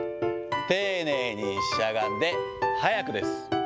丁寧にしゃがんで、速くです。